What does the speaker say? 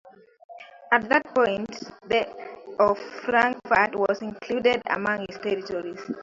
At that point, the of Frankfurt was included among his territories.